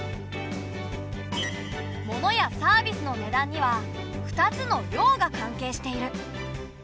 物やサービスの値段には２つの量が関係している。